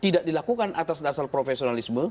tidak dilakukan atas dasar profesionalisme